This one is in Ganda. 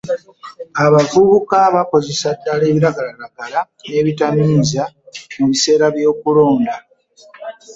Abavubuka bakozeseza ddala ebiragalalagala n'ebitamiiza mu biseera by'okulonda.